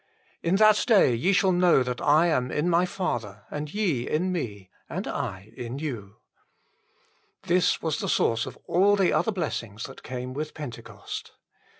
In that day ye shall know that I am in My Father, and ye in Me, and I in you." l This was the source of all the other blessings that came with Pentecost.